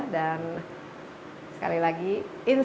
dan sekali lagi insight with desi anwar